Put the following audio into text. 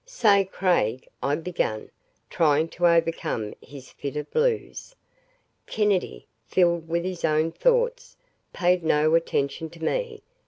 "Say, Craig," I began, trying to overcome his fit of blues. Kennedy, filled with his own thoughts, paid no attention to me.